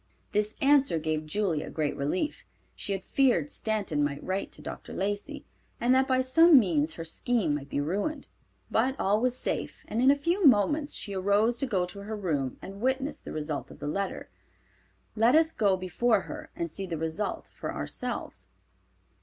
This answer gave Julia great relief; she had feared Stanton might write to Dr. Lacey, and that by some means her scheme might be ruined. But all was safe, and in a few moments she arose to go to her room and witness the result of the letter. Let us go before her and see the result for ourselves.